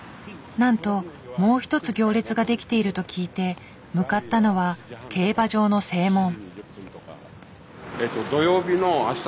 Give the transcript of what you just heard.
なんともう一つ行列が出来ていると聞いて向かったのは競馬場の正門。